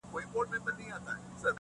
ستا د کتاب د ښوونځیو وطن٫